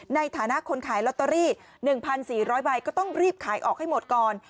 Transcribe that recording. ในฐานะคนขายลอตเตอรี่๑๔๐๐ใบก็ต้องรีบขายออกให้หมดก่อน